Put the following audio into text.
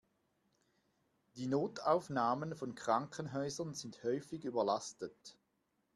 Die Notaufnahmen von Krankenhäusern sind häufig überlastet.